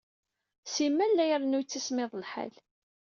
Simal la irennu yettismiḍ lḥal.